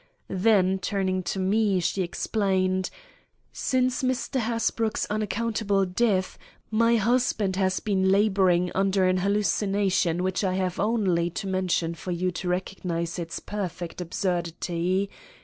Then turning to me, she explained: "Since Mr. Hasbrouck's unaccountable death, my husband has been laboring under an hallucination which I have only to mention for you to recognize its perfect absurdity.